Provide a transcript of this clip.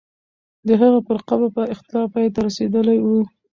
د هغې پر قبر به اختلاف پای ته رسېدلی وو.